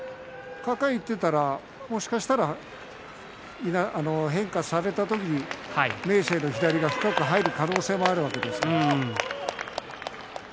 抱えにいっていたらもしかしたら変化された時に明生の左が深く入る場合もあるわけです。